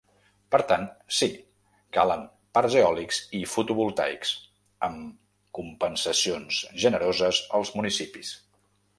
Per tant, sí: calen parcs eòlics i fotovoltaics, amb compensacions generoses als municipis.